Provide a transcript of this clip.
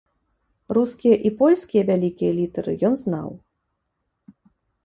Рускія і польскія вялікія літары ён знаў.